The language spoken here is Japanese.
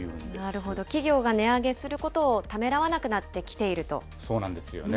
なるほど、企業が値上げすることをためらわなくなってきていそうなんですよね。